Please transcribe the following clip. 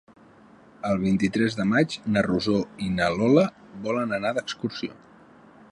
El vint-i-tres de maig na Rosó i na Lola volen anar d'excursió.